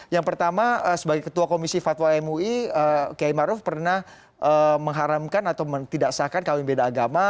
yang pertama sebagai ketua komisi fatwa mui kiai maruf pernah mengharamkan atau tidak sahkan kawin beda agama